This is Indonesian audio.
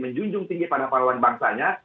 menjunjung tinggi pada pahlawan bangsanya